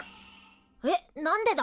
えっ何でだ！？